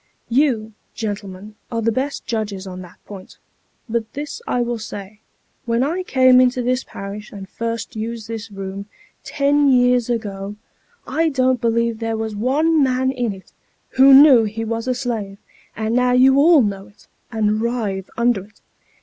You, gentlemen, are the best judges on that point ; but this I will say, when I came into this parish, and first used this room, ten years ago, I don't believe there was one man in it, who knew he was a slave and now you all know it, and writhe under it.